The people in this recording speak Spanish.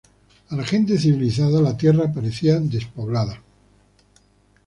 A la gente civilizada la tierra parecía despoblada.